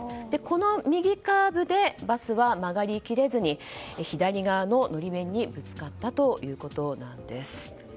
この右カーブでバスは曲がり切れずに左側の法面にぶつかったということなんです。